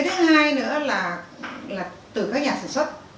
thứ hai nữa là từ các nhà sản xuất